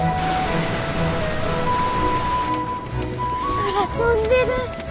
空飛んでる。